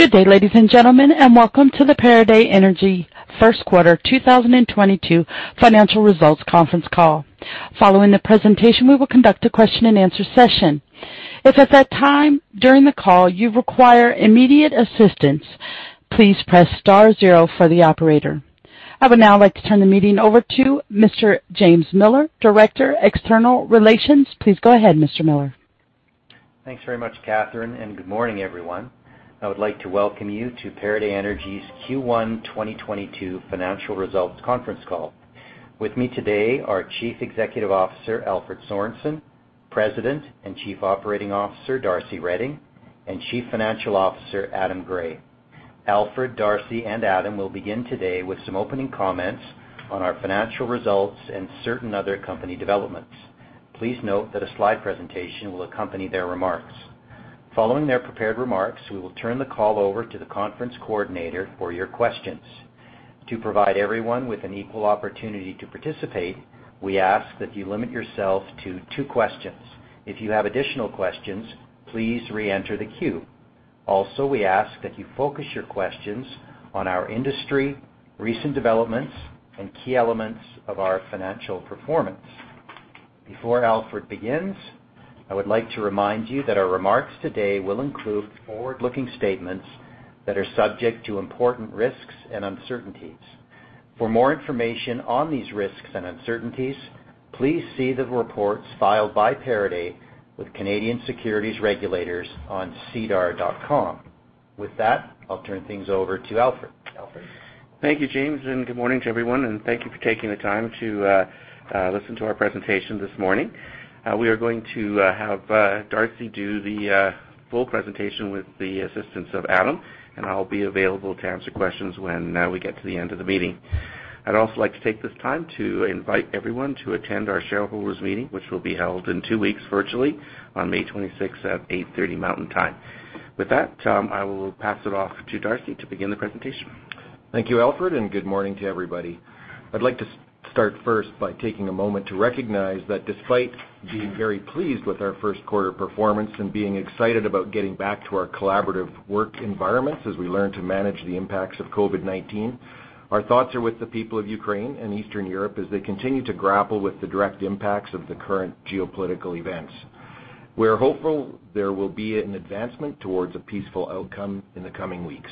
Good day, ladies and gentlemen, and welcome to the Cavvy Energy first quarter 2022 financial results conference call. Following the presentation, we will conduct a question-and-answer session. If at that time during the call you require immediate assistance, please press star zero for the operator. I would now like to turn the meeting over to Mr. James Miller, Director, External Relations. Please go ahead, Mr. Miller. Thanks very much, Catherine, and good morning, everyone. I would like to welcome you to Cavvy Energy's Q1 2022 financial results conference call. With me today are Chief Executive Officer, Alfred Sorensen, President and Chief Operating Officer, Darcy Reding, and Chief Financial Officer, Adam Gray. Alfred, Darcy and Adam will begin today with some opening comments on our financial results and certain other company developments. Please note that a slide presentation will accompany their remarks. Following their prepared remarks, we will turn the call over to the conference coordinator for your questions. To provide everyone with an equal opportunity to participate, we ask that you limit yourself to two questions. If you have additional questions, please re-enter the queue. We ask that you focus your questions on our industry, recent developments, and key elements of our financial performance. Before Alfred begins, I would like to remind you that our remarks today will include forward-looking statements that are subject to important risks and uncertainties. For more information on these risks and uncertainties, please see the reports filed by Cavvy with Canadian securities regulators on sedar.com. With that, I'll turn things over to Alfred. Alfred? Thank you, James. Good morning to everyone. Thank you for taking the time to listen to our presentation this morning. We are going to have Darcy do the full presentation with the assistance of Adam. I'll be available to answer questions when we get to the end of the meeting. I'd also like to take this time to invite everyone to attend our shareholders' meeting, which will be held in two weeks virtually on May 26th at 8:30 A.M. Mountain Time. With that, I will pass it off to Darcy to begin the presentation. Thank you, Alfred. Good morning to everybody. I'd like to start first by taking a moment to recognize that despite being very pleased with our first quarter performance and being excited about getting back to our collaborative work environments as we learn to manage the impacts of COVID-19, our thoughts are with the people of Ukraine and Eastern Europe as they continue to grapple with the direct impacts of the current geopolitical events. We are hopeful there will be an advancement towards a peaceful outcome in the coming weeks.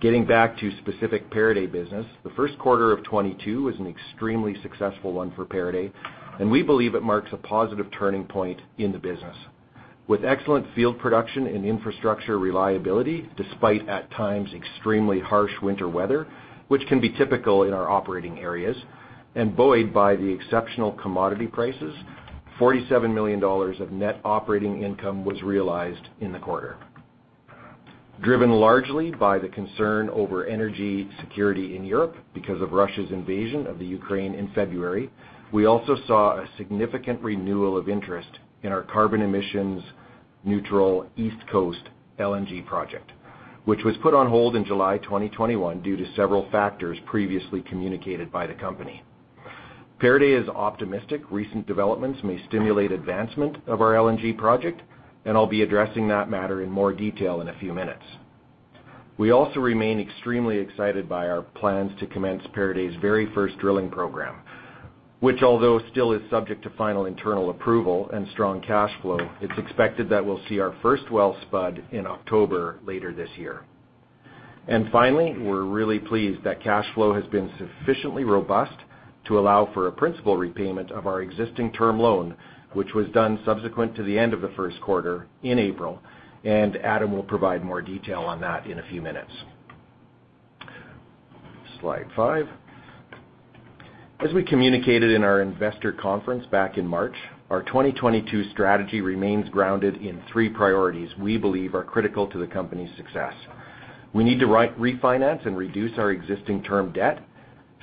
Getting back to specific Cavvy business, the first quarter of 2022 was an extremely successful one for Cavvy. We believe it marks a positive turning point in the business. With excellent field production and infrastructure reliability, despite, at times, extremely harsh winter weather, which can be typical in our operating areas, and buoyed by the exceptional commodity prices, 47 million dollars of net operating income was realized in the quarter. Driven largely by the concern over energy security in Europe because of Russia's invasion of Ukraine in February, we also saw a significant renewal of interest in our carbon emissions Neutral East Coast LNG project, which was put on hold in July 2021 due to several factors previously communicated by the company. Cavvy is optimistic recent developments may stimulate advancement of our LNG project, and I'll be addressing that matter in more detail in a few minutes. We also remain extremely excited by our plans to commence Cavvy very first drilling program, which although still is subject to final internal approval and strong cash flow, it's expected that we'll see our first well spud in October later this year. Finally, we're really pleased that cash flow has been sufficiently robust to allow for a principal repayment of our existing term loan, which was done subsequent to the end of the first quarter in April, and Adam will provide more detail on that in a few minutes. Slide five. As we communicated in our investor conference back in March, our 2022 strategy remains grounded in three priorities we believe are critical to the company's success. We need to refinance and reduce our existing term debt,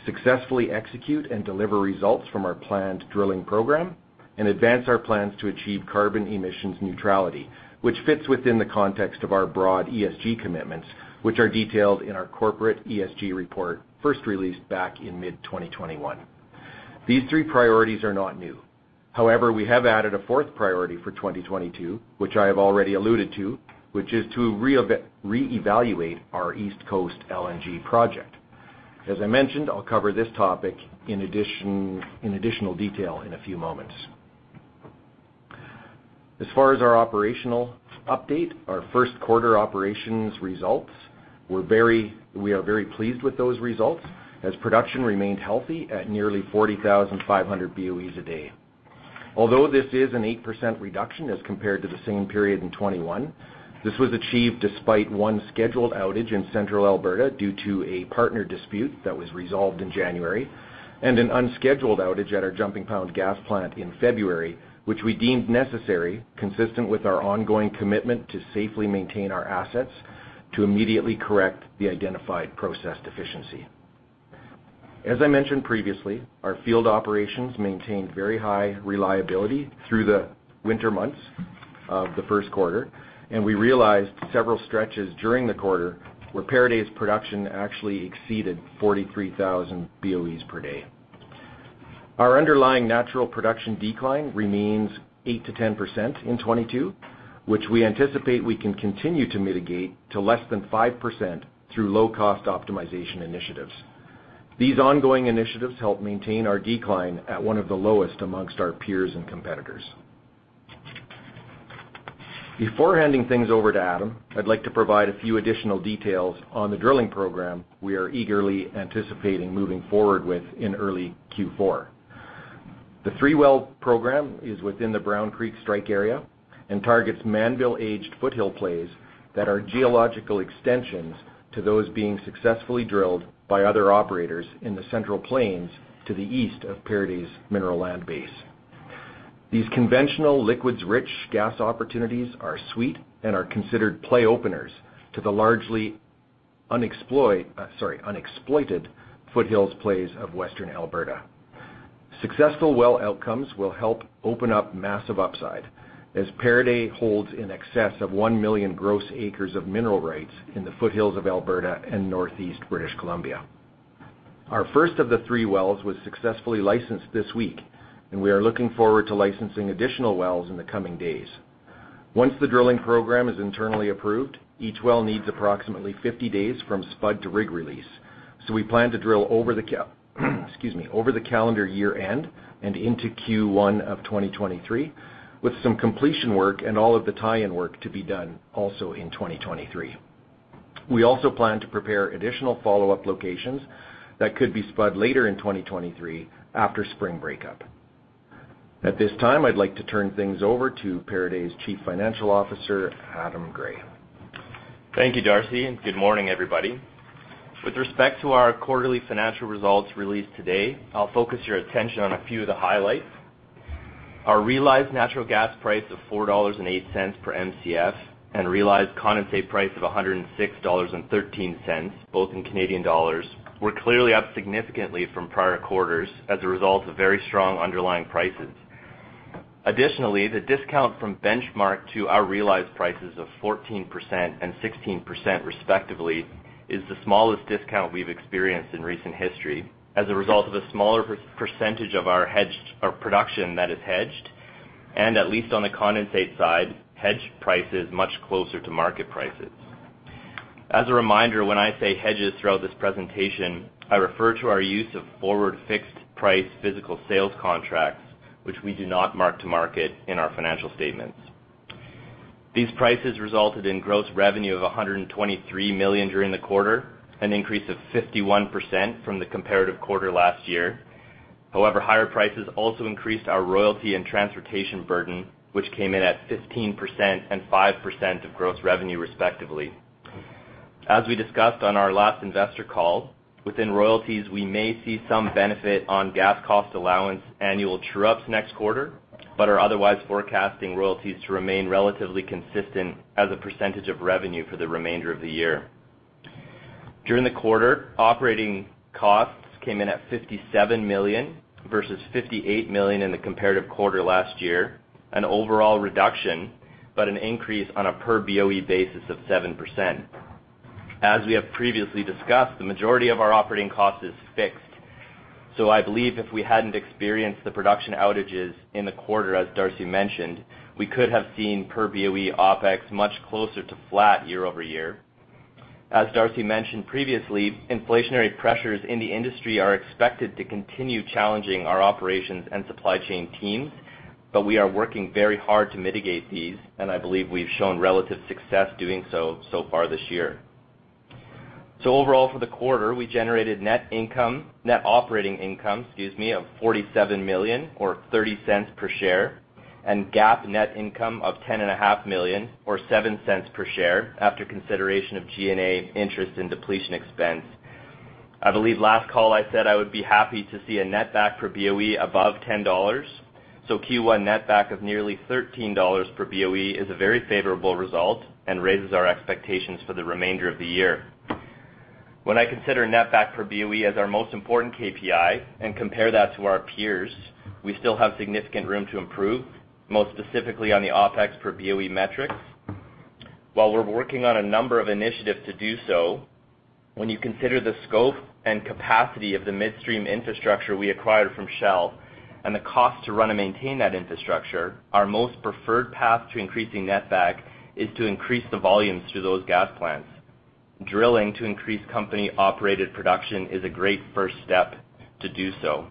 successfully execute and deliver results from our planned drilling program, and advance our plans to achieve carbon emissions neutrality, which fits within the context of our broad ESG commitments, which are detailed in our corporate ESG report, first released back in mid-2021. These three priorities are not new. However, we have added a fourth priority for 2022, which I have already alluded to, which is to reevaluate our East Coast LNG project. As I mentioned, I'll cover this topic in additional detail in a few moments. As far as our operational update, our first quarter operations results, we are very pleased with those results, as production remained healthy at nearly 40,500 BOEs a day. Although this is an 8% reduction as compared to the same period in 2021, this was achieved despite one scheduled outage in Central Alberta due to a partner dispute that was resolved in January, and an unscheduled outage at our Jumping Pound Gas Plant in February, which we deemed necessary, consistent with our ongoing commitment to safely maintain our assets to immediately correct the identified process deficiency. As I mentioned previously, our field operations maintained very high reliability through the winter months of the first quarter, and we realized several stretches during the quarter where Cavvy's production actually exceeded 43,000 BOEs per day. Our underlying natural production decline remains 8% to 10% in 2022, which we anticipate we can continue to mitigate to less than 5% through low-cost optimization initiatives. These ongoing initiatives help maintain our decline at one of the lowest amongst our peers and competitors. Before handing things over to Adam, I'd like to provide a few additional details on the drilling program we are eagerly anticipating moving forward with in early Q4. The three well program is within the Brown Creek strike area and targets Mannville aged foothill plays that are geological extensions to those being successfully drilled by other operators in the Central Plains to the east of Cavvy's Mineral Land Base. These conventional liquids rich gas opportunities are sweet and are considered play openers to the largely unexploited foothills plays of Western Alberta. Successful well outcomes will help open up massive upside as Cavvy's holds in excess of 1 million gross acres of mineral rights in the foothills of Alberta and Northeast British Columbia. Our first of the three wells was successfully licensed this week, and we are looking forward to licensing additional wells in the coming days. Once the drilling program is internally approved, each well needs approximately 50 days from spud to rig release. We plan to drill over the calendar year end and into Q1 of 2023, with some completion work and all of the tie-in work to be done also in 2023. We also plan to prepare additional follow-up locations that could be spud later in 2023 after spring breakup. At this time, I'd like to turn things over to Cavvy's Chief Financial Officer, Adam Gray. Thank you, Darcy, and good morning, everybody. With respect to our quarterly financial results released today, I'll focus your attention on a few of the highlights. Our realized natural gas price of 4.08 dollars per Mcf and realized condensate price of 106.13 dollars, both in Canadian dollars, were clearly up significantly from prior quarters as a result of very strong underlying prices. Additionally, the discount from benchmark to our realized prices of 14% and 16% respectively is the smallest discount we've experienced in recent history as a result of a smaller percentage of our hedged production that is hedged, and at least on the condensate side, hedged prices much closer to market prices. As a reminder, when I say hedges throughout this presentation, I refer to our use of forward fixed price physical sales contracts, which we do not mark to market in our financial statements. These prices resulted in gross revenue of 123 million during the quarter, an increase of 51% from the comparative quarter last year. Higher prices also increased our royalty and transportation burden, which came in at 15% and 5% of gross revenue, respectively. As we discussed on our last investor call, within royalties we may see some benefit on gas cost allowance annual true-ups next quarter, but are otherwise forecasting royalties to remain relatively consistent as a percentage of revenue for the remainder of the year. During the quarter, operating costs came in at 57 million versus 58 million in the comparative quarter last year, an overall reduction, but an increase on a per BOE basis of 7%. As we have previously discussed, the majority of our operating cost is fixed. I believe if we hadn't experienced the production outages in the quarter, as Darcy mentioned, we could have seen per BOE OpEx much closer to flat year-over-year. As Darcy mentioned previously, inflationary pressures in the industry are expected to continue challenging our operations and supply chain teams, but we are working very hard to mitigate these, and I believe we've shown relative success doing so far this year. Overall for the quarter, we generated net operating income, excuse me, of 47 million or 0.30 per share, and GAAP net income of 10.5 million or 0.07 per share after consideration of G&A and interest and depletion expense. I believe last call I said I would be happy to see a netback for BOE above 10 dollars, so Q1 netback of nearly 13 dollars per BOE is a very favorable result and raises our expectations for the remainder of the year. When I consider netback for BOE as our most important KPI and compare that to our peers, we still have significant room to improve, most specifically on the OpEx per BOE metrics. While we're working on a number of initiatives to do so, when you consider the scope and capacity of the midstream infrastructure we acquired from Shell and the cost to run and maintain that infrastructure, our most preferred path to increasing netback is to increase the volumes to those gas plants. Drilling to increase company operated production is a great first step to do so.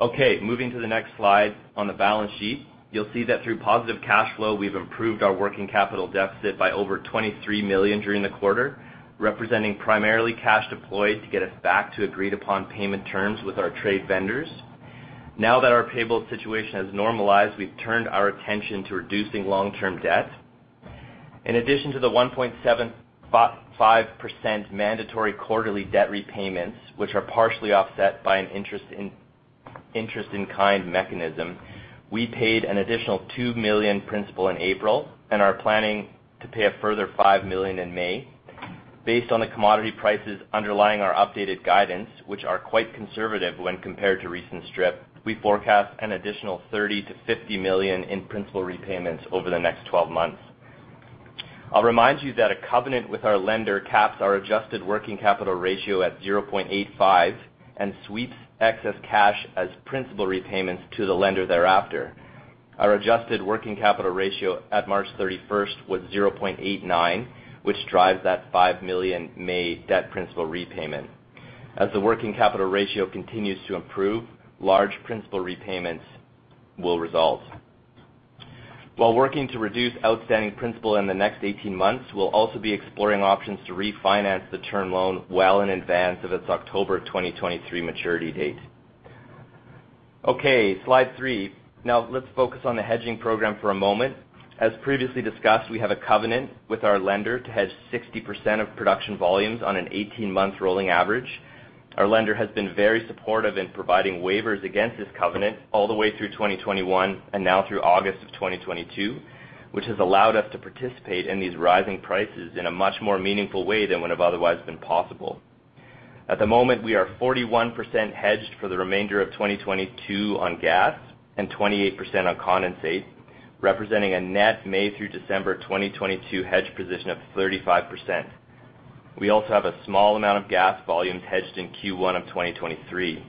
Okay, moving to the next slide on the balance sheet. You'll see that through positive cash flow, we've improved our working capital deficit by over 23 million during the quarter, representing primarily cash deployed to get us back to agreed upon payment terms with our trade vendors. Now that our payable situation has normalized, we've turned our attention to reducing long-term debt. In addition to the 1.75% mandatory quarterly debt repayments, which are partially offset by an interest-in-kind mechanism, we paid an additional 2 million principal in April and are planning to pay a further 5 million in May. Based on the commodity prices underlying our updated guidance, which are quite conservative when compared to recent strip, we forecast an additional 30 million-50 million in principal repayments over the next 12 months. I'll remind you that a covenant with our lender caps our adjusted working capital ratio at 0.85 and sweeps excess cash as principal repayments to the lender thereafter. Our adjusted working capital ratio at March 31st was 0.89, which drives that 5 million May debt principal repayment. As the working capital ratio continues to improve, large principal repayments will result. While working to reduce outstanding principal in the next 18 months, we'll also be exploring options to refinance the term loan well in advance of its October 2023 maturity date. Slide three. Let's focus on the hedging program for a moment. As previously discussed, we have a covenant with our lender to hedge 60% of production volumes on an 18-month rolling average. Our lender has been very supportive in providing waivers against this covenant all the way through 2021 and now through August of 2022, which has allowed us to participate in these rising prices in a much more meaningful way than would have otherwise been possible. At the moment, we are 41% hedged for the remainder of 2022 on gas and 28% on condensate, representing a net May through December 2022 hedge position of 35%. We also have a small amount of gas volumes hedged in Q1 of 2023.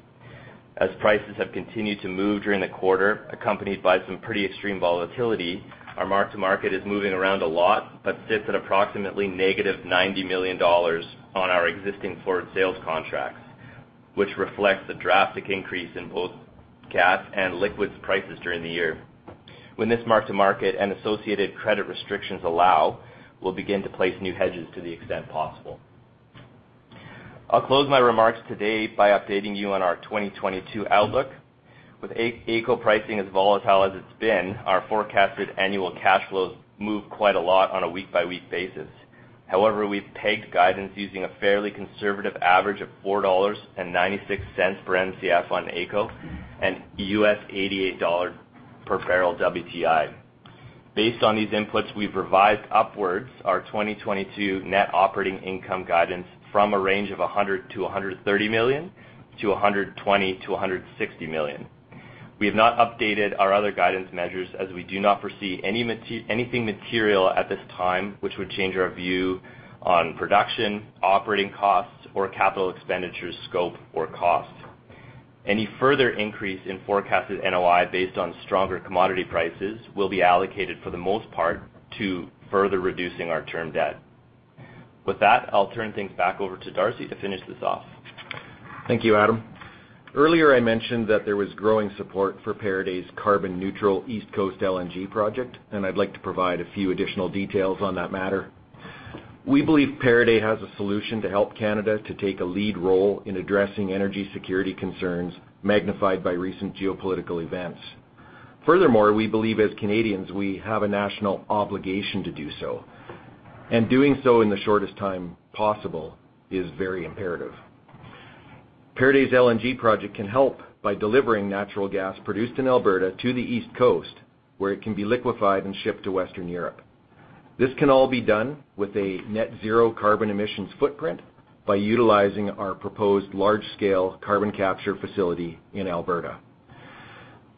As prices have continued to move during the quarter, accompanied by some pretty extreme volatility, our mark to market is moving around a lot, but sits at approximately -90 million dollars on our existing forward sales contracts, which reflects the drastic increase in both gas and liquids prices during the year. When this mark to market and associated credit restrictions allow, we'll begin to place new hedges to the extent possible. I'll close my remarks today by updating you on our 2022 outlook. With AECO pricing as volatile as it's been, our forecasted annual cash flows move quite a lot on a week-by-week basis. However, we've pegged guidance using a fairly conservative average of 4.96 dollars per Mcf on AECO and US $88 per barrel WTI. Based on these inputs, we've revised upwards our 2022 net operating income guidance from a range of 100 million-130 million to 120 million-160 million. We have not updated our other guidance measures, as we do not foresee anything material at this time, which would change our view on production, operating costs, or capital expenditures, scope, or cost. Any further increase in forecasted NOI based on stronger commodity prices will be allocated for the most part to further reducing our term debt. With that, I'll turn things back over to Darcy to finish this off. Thank you, Adam. Earlier I mentioned that there was growing support for Cavvy's carbon Neutral East Coast LNG project, and I'd like to provide a few additional details on that matter. We believe Cavvy has a solution to help Canada to take a lead role in addressing energy security concerns magnified by recent geopolitical events. We believe as Canadians, we have a national obligation to do so, and doing so in the shortest time possible is very imperative. Cavvy's LNG project can help by delivering natural gas produced in Alberta to the East Coast, where it can be liquefied and shipped to Western Europe. This can all be done with a net zero carbon emissions footprint by utilizing our proposed large-scale carbon capture facility in Alberta.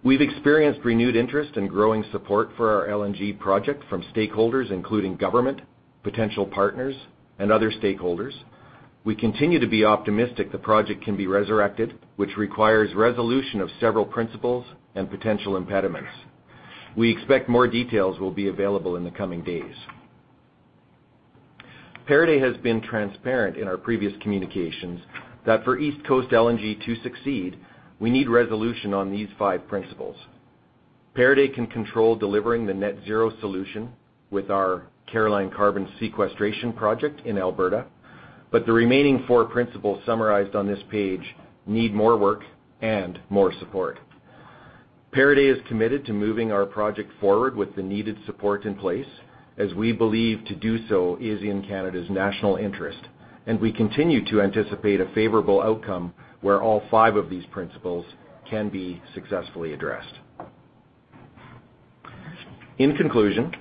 We've experienced renewed interest and growing support for our LNG project from stakeholders, including government, potential partners, and other stakeholders. We continue to be optimistic the project can be resurrected, which requires resolution of several principles and potential impediments. We expect more details will be available in the coming days. Cavvy has been transparent in our previous communications that for East Coast LNG to succeed, we need resolution on these five principles. Cavvy can control delivering the net zero solution with our Caroline Carbon Sequestration project in Alberta, but the remaining four principles summarized on this page need more work and more support. Cavvy is committed to moving our project forward with the needed support in place, as we believe to do so is in Canada's national interest, and we continue to anticipate a favorable outcome where all five of these principles can be successfully addressed. In conclusion,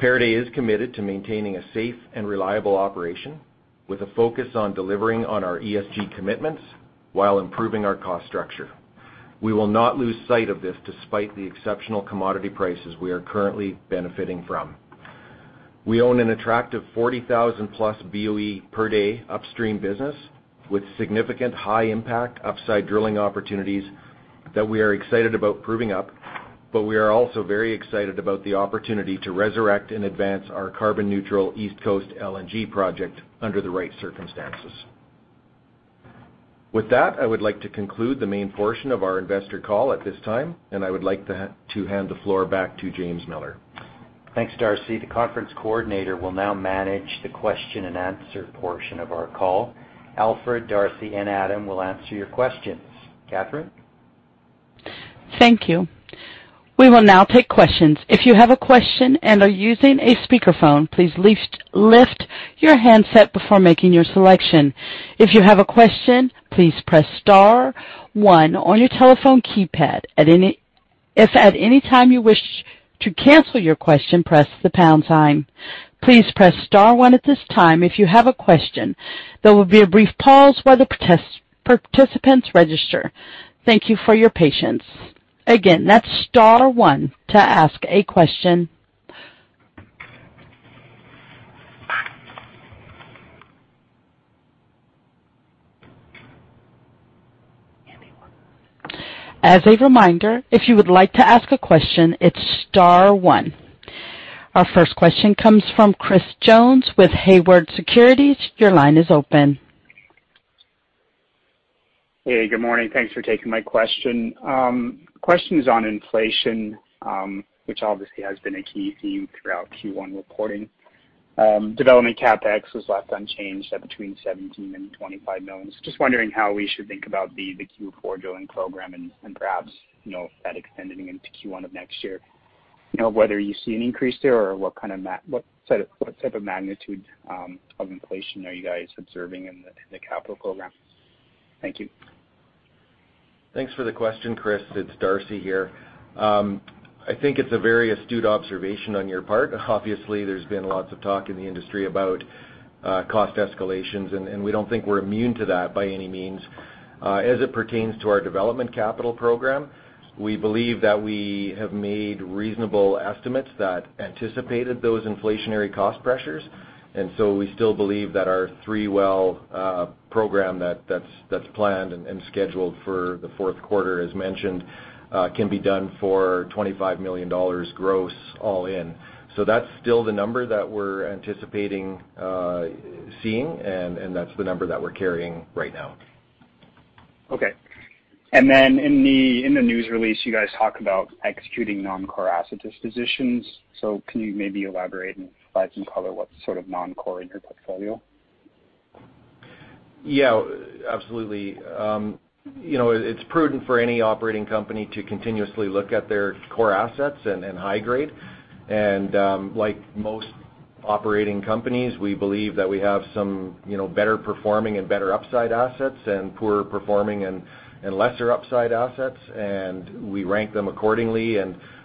Cavvy is committed to maintaining a safe and reliable operation with a focus on delivering on our ESG commitments while improving our cost structure. We will not lose sight of this despite the exceptional commodity prices we are currently benefiting from. We own an attractive 40,000-plus BOE per day upstream business with significant high impact upside drilling opportunities that we are excited about proving up, but we are also very excited about the opportunity to resurrect and advance our carbon Neutral East Coast LNG project under the right circumstances. With that, I would like to conclude the main portion of our investor call at this time, and I would like to hand the floor back to James Miller. Thanks, Darcy. The conference coordinator will now manage the question-and-answer portion of our call. Alfred, Darcy, and Adam will answer your questions. Catherine? Thank you. We will now take questions. If you have a question and are using a speakerphone, please lift your handset before making your selection. If you have a question, please press star one on your telephone keypad. If at any time you wish to cancel your question, press the pound sign. Please press star one at this time if you have a question. There will be a brief pause while the participants register. Thank you for your patience. Again, that's star one to ask a question. As a reminder, if you would like to ask a question, it's star one. Our first question comes from Chris Jones with Haywood Securities. Your line is open. Hey, good morning. Thanks for taking my question. Question is on inflation, which obviously has been a key theme throughout Q1 reporting. Development CapEx was left unchanged at between 17 million and 25 million. Just wondering how we should think about the Q4 drilling program and perhaps if that extended into Q1 of next year, whether you see an increase there or what type of magnitude of inflation are you guys observing in the capital program? Thank you. Thanks for the question, Chris. It's Darcy here. I think it's a very astute observation on your part. Obviously, there's been lots of talk in the industry about cost escalations, and we don't think we're immune to that by any means. As it pertains to our development capital program, we believe that we have made reasonable estimates that anticipated those inflationary cost pressures. We still believe that our three-well program that's planned and scheduled for the fourth quarter, as mentioned, can be done for 25 million dollars gross all in. That's still the number that we're anticipating seeing, and that's the number that we're carrying right now. Okay. In the news release, you guys talk about executing non-core asset dispositions. Can you maybe elaborate and provide some color what's non-core in your portfolio? Yeah, absolutely. It's prudent for any operating company to continuously look at their core assets and high grade. Like most operating companies, we believe that we have some better performing and better upside assets and poorer performing and lesser upside assets, and we rank them accordingly.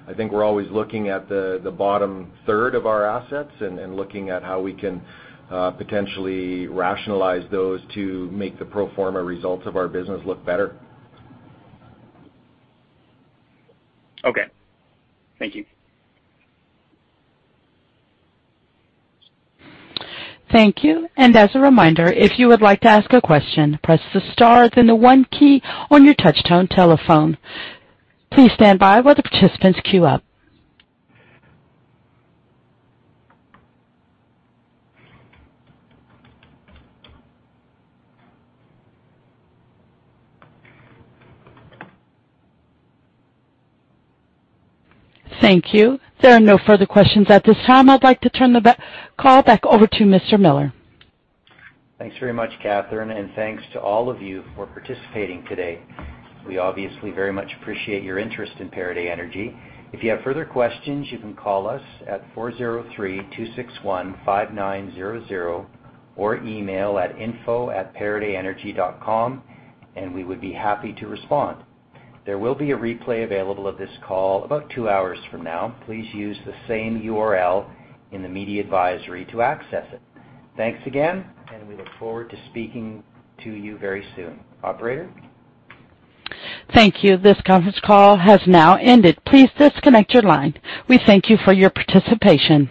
I think we're always looking at the bottom third of our assets and looking at how we can potentially rationalize those to make the pro forma results of our business look better. Okay. Thank you. Thank you. As a reminder, if you would like to ask a question, press the star then the one key on your touchtone telephone. Please standby while the participants queue up. Thank you. There are no further questions at this time. I'd like to turn the call back over to Mr. Miller. Thanks very much, Catherine, and thanks to all of you for participating today. We obviously very much appreciate your interest in Cavvy Energy. If you have further questions, you can call us at 403-261-5900 or email at info@cavvyenergy.com and we would be happy to respond. There will be a replay available of this call about two hours from now. Please use the same URL in the media advisory to access it. Thanks again, and we look forward to speaking to you very soon. Operator? Thank you. This conference call has now ended. Please disconnect your line. We thank you for your participation.